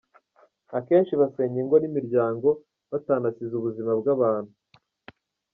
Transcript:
Akenshi basenya ingo n’imiryango batanasize ubuzima bw’abantu.